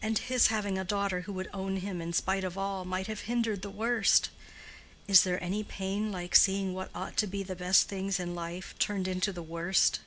And his having a daughter who would own him in spite of all, might have hindered the worst. Is there any pain like seeing what ought to be the best things in life turned into the worst?